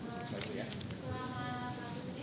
selama kasus ini